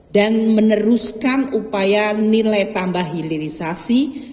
dan meneruskan upaya nilai tambah hilirisasi